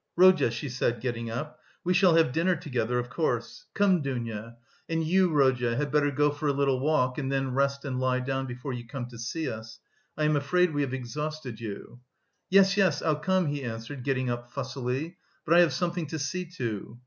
"Rodya," she said, getting up, "we shall have dinner together, of course. Come, Dounia.... And you, Rodya, had better go for a little walk, and then rest and lie down before you come to see us.... I am afraid we have exhausted you...." "Yes, yes, I'll come," he answered, getting up fussily. "But I have something to see to."